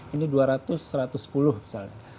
ini dua ratus satu ratus sepuluh misalnya